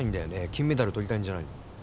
金メダルとりたいんじゃないの？